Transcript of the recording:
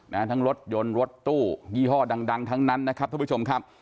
ทั้งรถยนต์รถตู้ยี่ห้อดังดังทั้งนั้นนะครับทุกผู้ชมครับ